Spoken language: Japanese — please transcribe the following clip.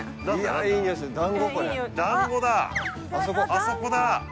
あそこだ